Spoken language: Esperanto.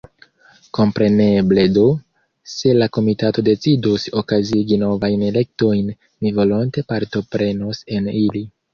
Kompreneble do, se la Komitato decidos okazigi novajn elektojn, mi volonte partoprenos en ili.